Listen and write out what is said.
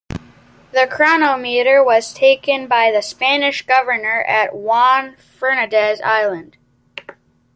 The chronometer was taken by the Spanish governor at Juan Fernandez Island.